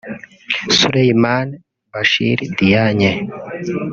Souleymane Bachir Diagne